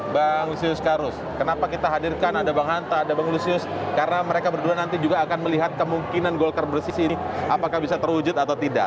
bang lusius karus kenapa kita hadirkan ada bang hanta ada bang lusius karena mereka berdua nanti juga akan melihat kemungkinan golkar bersih ini apakah bisa terwujud atau tidak